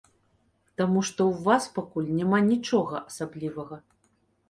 Таму што ў вас пакуль няма нічога асаблівага.